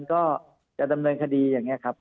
ก็จะดำเนินคดีอย่างนี้ครับ